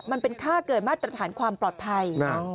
มันเป็นค่าเกินมาตรฐานความปลอดภัย